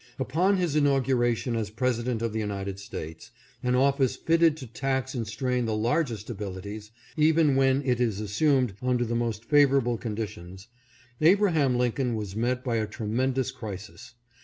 Upon his inauguration as President of the United States, an office fitted to tax and strain the largest abili ties, even when it is assumed under the most favorable conditions, Abraham Lincoln was met by a tremendous crisis.